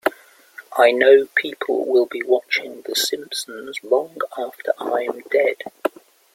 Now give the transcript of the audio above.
I know people will be watching "The Simpsons" long after I'm dead.